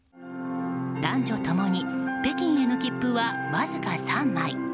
男女共に北京への切符はわずか３枚。